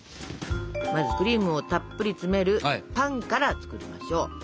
まずクリームをたっぷり詰めるパンから作りましょう。